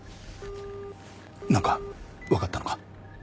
なんかわかったのか？